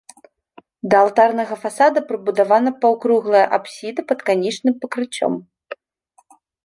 Да алтарнага фасада прыбудавана паўкруглая апсіда пад канічным пакрыццём.